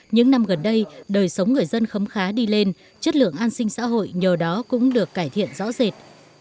những năm gần đây đời sống người dân khấm khá đi lên chất lượng an sinh xã hội nhờ đó cũng được cải thiện rõ rệt